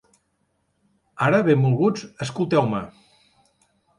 Ara, benvolguts, escolteu-me!